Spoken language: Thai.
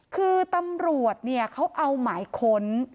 คือตำรวจเขาเอาหมายค้น